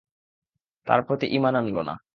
তার প্রতি ঈমান আনল না।